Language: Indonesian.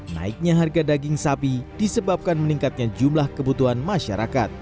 naiknya harga daging sapi disebabkan meningkatnya jumlah kebutuhan masyarakat